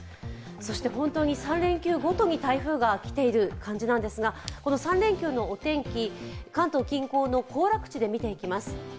そして本当に３連休ごとに台風が来ている感じなんですが、この３連休のお天気、関東近郊の行楽地で見ていきます。